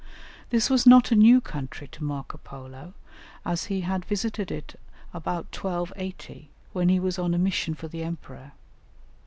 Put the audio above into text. This was not a new country to Marco Polo, as he had visited it about 1280, when he was on a mission for the Emperor.